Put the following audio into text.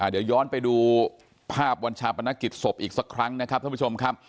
เดี๋ยวย้อนไปดูภาพวันชาปนกิจศพอีกสักครั้งนะครับท่านผู้ชมครับ